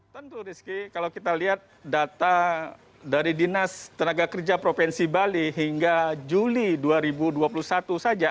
tentu rizky kalau kita lihat data dari dinas tenaga kerja provinsi bali hingga juli dua ribu dua puluh satu saja